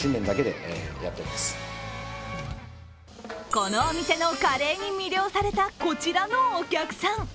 このお店のカレーに魅了された、こちらのお客さん。